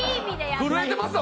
震えてますわ！